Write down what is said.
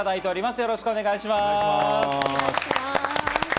よろしくお願いします。